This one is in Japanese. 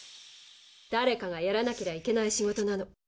「だれかがやらなけりゃいけない仕事なの。